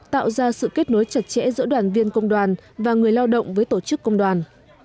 tạo ra sự kết nối chặt chẽ giữa đoàn viên công đoàn và người lao động với tổ chức công đoàn